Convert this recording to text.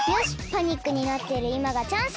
パニックになっているいまがチャンスだ！